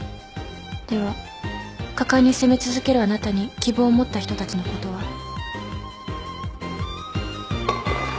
では果敢に攻め続けるあなたに希望を持った人たちのことは？